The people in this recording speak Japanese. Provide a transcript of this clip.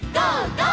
ゴー！」